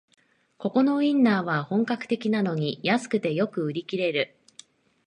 ここのウインナーは本格的なのに安くてよく売り切れる